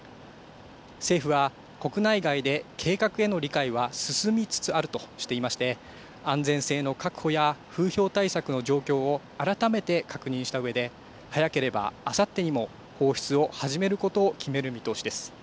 政府は国内外で計画への理解は進みつつあるとしていまして安全性の確保や風評対策の状況を改めて確認したうえで早ければあさってにも放出を始めることを決める見通しです。